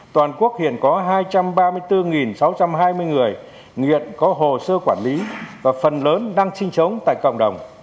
toàn quốc hiện có hai trăm ba mươi bốn sáu trăm hai mươi người nghiện có hồ sơ quản lý và phần lớn đang sinh sống tại cộng đồng